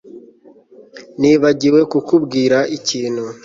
Nibagiwe kukubwira ikintu